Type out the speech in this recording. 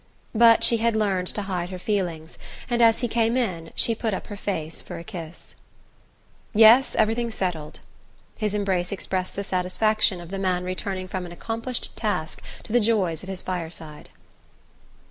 But she had learned to hide her feelings, and as he came in she put up her face for a kiss. "Yes everything's settled " his embrace expressed the satisfaction of the man returning from an accomplished task to the joys of his fireside.